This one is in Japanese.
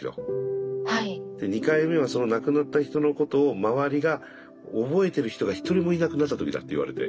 で２回目はその亡くなった人のことを周りが覚えてる人が１人もいなくなった時だって言われて。